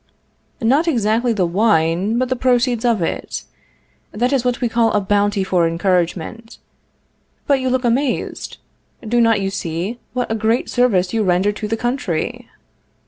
Not exactly the wine, but the proceeds of it; That is what we call a bounty for encouragement. But you look amazed! Do not you see what a great service you render to the country?